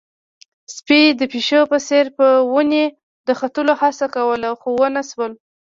سپي د پيشو په څېر په ونې د ختلو هڅه کوله، خو ونه شول.